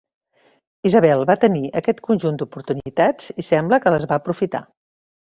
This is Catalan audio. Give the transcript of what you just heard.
Isabel va tenir aquest conjunt d'oportunitats i sembla que les va aprofitar.